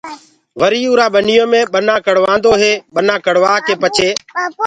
وري اُرآ ٻنيو مي ٻنآ ڪڙوآدو هي ٻنآ ڪڙوآڪي پڇي